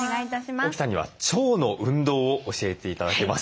沖さんには腸の運動を教えて頂きます。